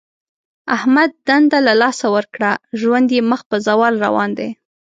احمد دنده له لاسه ورکړه. ژوند یې مخ په زوال روان دی.